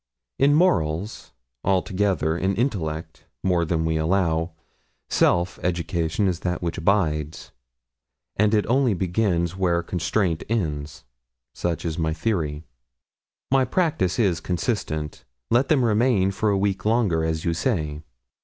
In morals, altogether in intellect, more than we allow self education is that which abides; and it only begins where constraint ends. Such is my theory. My practice is consistent. Let them remain for a week longer, as you say.